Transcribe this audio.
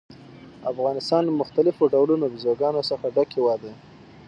افغانستان له مختلفو ډولونو بزګانو څخه ډک هېواد دی.